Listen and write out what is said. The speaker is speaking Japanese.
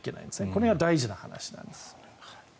これが大事な話なんです。